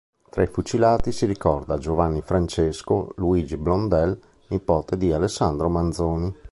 Tra i fucilati si ricorda Giovanni Francesco Luigi Blondel, nipote di Alessandro Manzoni.